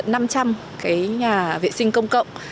năm trăm linh nhà vệ sinh công cộng